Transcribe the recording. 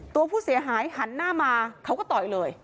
ตัวผู้เสียหายหันหน้ามาเขาก็ต่อยเลย